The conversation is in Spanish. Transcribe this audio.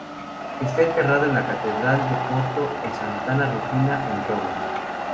Está enterrado en la Catedral de Porto e Santa Rufina, en Roma.